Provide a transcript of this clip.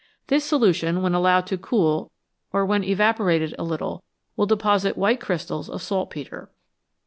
This solution, when allowed to cool or when evaporated a little, will deposit white crystals of saltpetre.